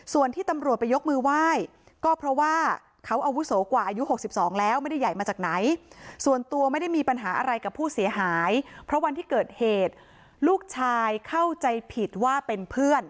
ส่วนที่ตำรวจไปยกมือไหว้ก็เพราะว่าเขาอาวุโสกว่าอายุ๖๒แล้วไม่ได้ใหญ่มาจากไหน